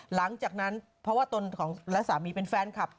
หลังจากนั้นเพราะว่าตนของและสามีเป็นแฟนคลับ